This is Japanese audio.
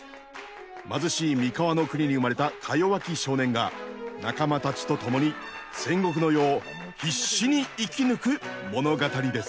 貧しい三河の国に生まれたかよわき少年が仲間たちと共に戦国の世を必死に生き抜く物語です。